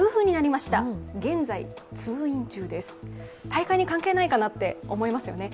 大会に関係ないかなって思いますよね。